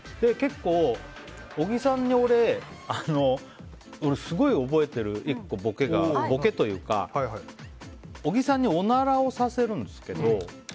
結構、小木さんに俺すごい覚えてる１個ボケというかあって小木さんにおならをさせるんですけど。